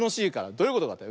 どういうことかって？